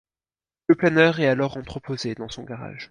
Le planeur est alors entreposé dans son garage.